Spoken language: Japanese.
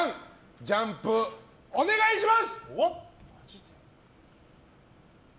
ジャンプお願いします。